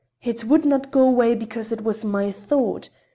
It would not go away because it was my thought.